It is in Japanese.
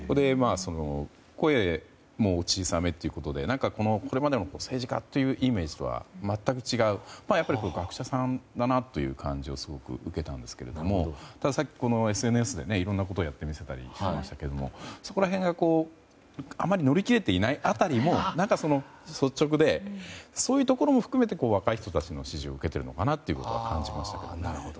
声も小さめということでこれまでの政治家というイメージとは全く違う、学者さんだなという感じをすごく受けたんですけどただ、ＳＮＳでいろいろなことをやってみせたりしてましたけどそこら辺があまり乗り切れていない辺りも率直で、そういうところも含めて若い人たちの支持を受けているのかなということを感じました。